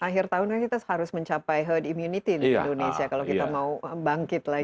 akhir tahun kan kita harus mencapai herd immunity di indonesia kalau kita mau bangkit lagi